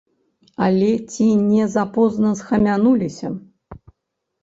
Але ці не запозна схамянуліся?